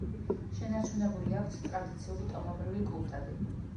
შენარჩუნებული აქვთ ტრადიციული ტომობრივი კულტები.